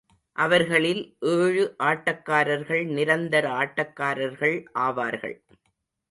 அவர்களில் ஏழு ஆட்டக்காரர்கள் நிரந்தர ஆட்டக்காரர்கள் ஆவார்கள்.